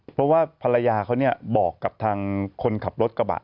เพราะว่าภรรยาเขาบอกกับทางคนขับรถกระบะ